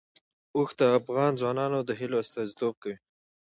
اوښ د افغان ځوانانو د هیلو استازیتوب کوي.